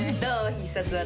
必殺技。